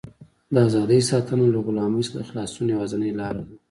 د ازادۍ ساتنه له غلامۍ څخه د خلاصون یوازینۍ لاره ده.